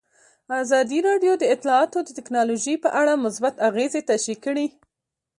ازادي راډیو د اطلاعاتی تکنالوژي په اړه مثبت اغېزې تشریح کړي.